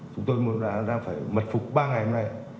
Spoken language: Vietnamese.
chúng tôi đang phải mật phục ba ngày hôm nay